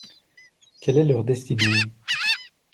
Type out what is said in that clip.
Quelle est leur destinée?